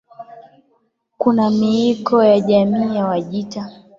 Kuna miiko ya jamii ya Wajita